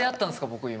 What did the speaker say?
僕今。